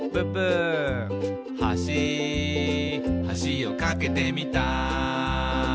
「はしはしを架けてみた」